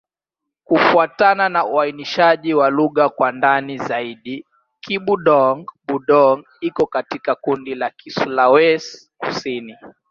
Kufuatana na uainishaji wa lugha kwa ndani zaidi, Kibudong-Budong iko katika kundi la Kisulawesi-Kusini.